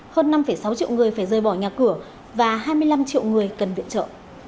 hơn năm sáu triệu người phải rơi bỏ nhà cửa và hai mươi năm triệu người cần viện trợ